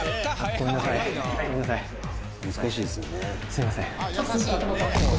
すいません。